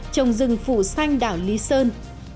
trồng rừng phủ xanh đảo lý sơn